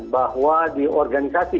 bahwa di organisasi